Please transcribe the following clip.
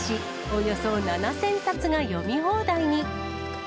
およそ７０００冊が読み放題に。